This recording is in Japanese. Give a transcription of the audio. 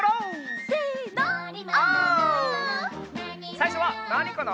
さいしょはなにかな？